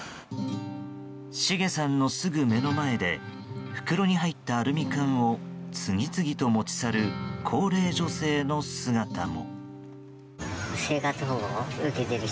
シゲさんのすぐ目の前で袋に入ったアルミ缶を次々と持ち去る高齢女性の姿も。